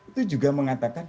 itu juga mengatakan